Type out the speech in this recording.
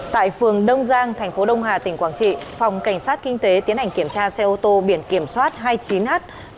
tại phường đông giang thành phố đông hà tỉnh quảng trị phòng cảnh sát kinh tế tiến hành kiểm tra xe ô tô biển kiểm soát hai mươi chín h bảy trăm hai mươi sáu sáu